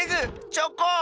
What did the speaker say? チョコン！